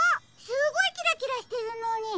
すごいキラキラしてるのに。